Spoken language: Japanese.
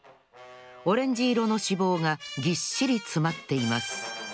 オレンジいろの脂肪がぎっしりつまっています。